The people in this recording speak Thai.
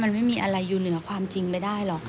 มันไม่มีอะไรอยู่เหนือความจริงไม่ได้หรอก